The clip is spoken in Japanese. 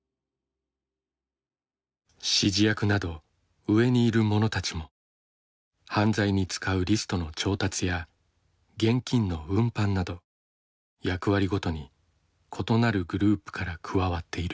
指示役など上にいる者たちも犯罪に使うリストの調達や現金の運搬など役割ごとに異なるグループから加わっている。